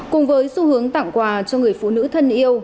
cùng với xu hướng tặng quà cho người phụ nữ thân yêu